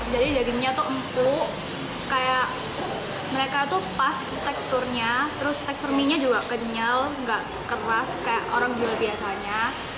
jadi dagingnya itu empuk mereka itu pas teksturnya terus teksturnya juga kenyal gak keras kayak orang jual biasanya